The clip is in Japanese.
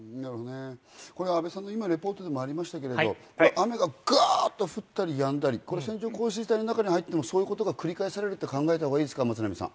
阿部さんのリポートにもありましたけれど、雨がぐわっと降ったりやんだり、線状降水帯の中に入っても、そういうことが繰り返されると考えたほうがいいですか？